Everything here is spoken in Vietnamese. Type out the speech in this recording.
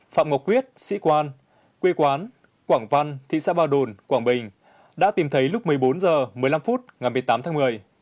phạm ngọc quyết sĩ quan quê quán quảng văn thị xã bà đồn quảng bình đã tìm thấy lúc một mươi bốn h một mươi năm phút ngày một mươi tám tháng một mươi